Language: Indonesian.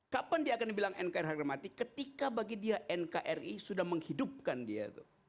kapan dia akan dibilang nkri harga mati ketika bagi dia nkri sudah menghidupkan dia